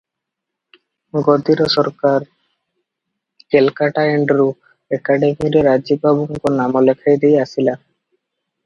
ଗଦିର ସରକାର କେଲକାଟା ଏଣ୍ଡ୍ରୁ, ଏକାଡେମିରେ ରାଜୀବ ବାବୁଙ୍କ ନାମ ଲେଖାଇ ଦେଇ ଆସିଲା ।